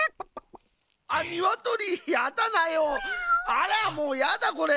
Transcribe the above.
あらもうやだこれ。